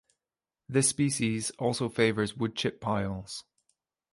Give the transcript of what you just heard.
This species also favors wood chip piles.